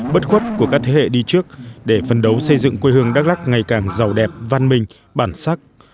bất khuất của các thế hệ đi trước để phân đấu xây dựng quê hương đắk lắc ngày càng giàu đẹp văn minh bản sắc